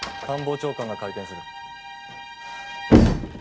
官房長官が会見する。